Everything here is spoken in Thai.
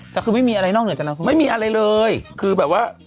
แต่คือไม่มีอะไรนอกเหนือจากนั้นคุณไม่มีอะไรเลยคือแบบว่า